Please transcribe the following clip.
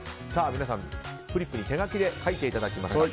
皆さん、フリップに手書きで書いていただきました。